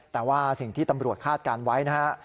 แต่ว่าสิ่งที่ตำรวจคาดการณ์ไว้นะฮะ